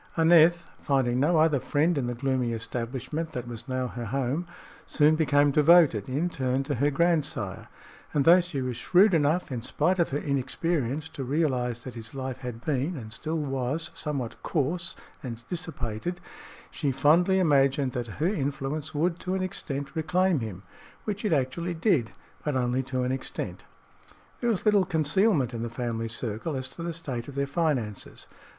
Aneth, finding no other friend in the gloomy establishment that was now her home, soon became devoted, in turn, to her grandsire, and although she was shrewd enough, in spite of her inexperience, to realize that his life had been, and still was, somewhat coarse and dissipated, she fondly imagined that her influence would, to an extent, reclaim him which it actually did, but only to an extent. There was little concealment in the family circle as to the state of their finances.